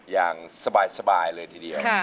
อย่างสบายเลยทีเดียว